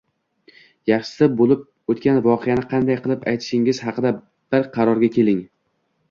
yaxshisi, bo‘lib o‘tgan voqeani qanday qilib aytishingiz haqida bir qarorga keling.